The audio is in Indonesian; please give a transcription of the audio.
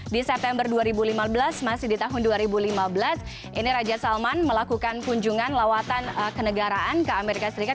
di september dua ribu lima belas masih di tahun dua ribu lima belas ini raja salman melakukan kunjungan lawatan kenegaraan ke amerika serikat